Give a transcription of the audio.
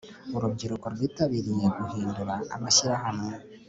urubyiruko rwitabiriye guhindura amashyirahamwe